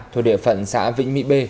thuộc địa phận xã vĩnh mỹ b